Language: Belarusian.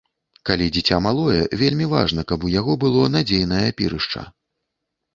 Калі дзіця малое, вельмі важна, каб у яго было надзейнае апірышча.